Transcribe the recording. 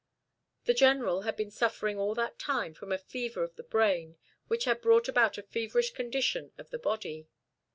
The General had been suffering all that time from a fever of the brain which had brought about a feverish condition of the body.